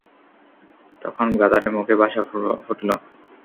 তখন গাধাটির মুখে ভাষা ফুটল।